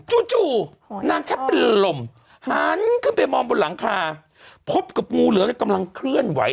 จู่นางแทบเป็นลมหันขึ้นไปมองบนหลังคาพบกับงูเหลืองกำลังเคลื่อนไหว